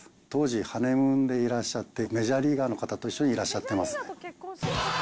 当時、ハネムーンでいらっしゃって、メジャーリーガーの方と一緒にいらっしゃってます。